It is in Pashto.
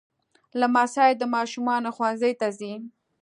لمسی د ماشومانو ښوونځي ته ځي.